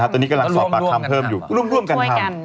ตอนนี้กำลังสอบปากคำเพิ่มอยู่ร่วมกันทำ